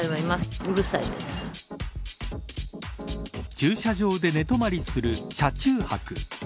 駐車場で寝泊まりする車中泊。